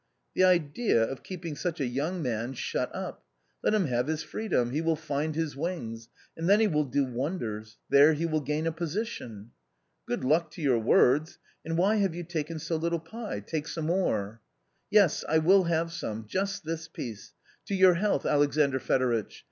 " The idea of keeping such a young man shut up ! Let him have his freedom, he will find bis wings, and then he will do wonders ; there he will gain a position." " Good luck to your words ! And why have you taken so little pie ? Take some more." " Yes, I will have some ; just this piece. To your health, Alexandr Fedoritch